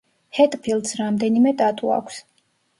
ჰეტფილდს რამდენიმე ტატუ აქვს.